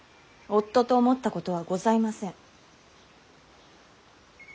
夫と思ったことはございません。